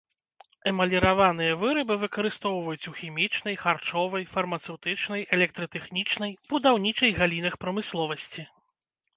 Эмаліраваныя вырабы выкарыстоўваюць у хімічнай, харчовай, фармацэўтычнай, электратэхнічнай, будаўнічай галінах прамысловасці.